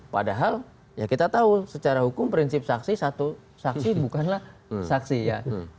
padahal ya kita tahu secara hukum prinsip saksi satu saksi bukanlah saksi ya